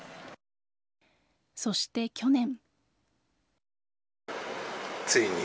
そして、去年。